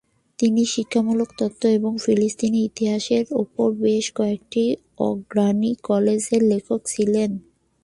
তিনি শিক্ষামূলক তত্ত্ব এবং ফিলিস্তিনের ইতিহাসের উপর বেশ কয়েকটি অগ্রণী কাজের লেখক ছিলেন।